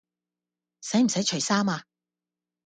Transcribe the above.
使唔使除衫呀？